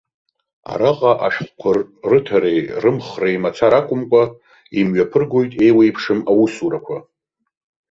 Араҟа ашәҟәқәа рыҭареи рымхреи мацара акәымкәа, имҩаԥыргоит еиуеиԥшым аусурақәа.